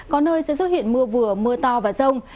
có nơi sẽ xuất hiện mưa vừa mưa to và rông